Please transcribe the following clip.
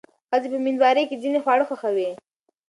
ښځې په مېندوارۍ کې ځینې خواړه خوښوي.